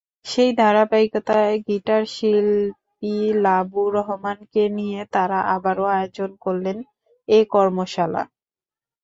সেই ধারাবাহিকতায় গিটারশিল্পী লাবু রহমানকে নিয়ে তারা আবারও আয়োজন করলেন এ কর্মশালা।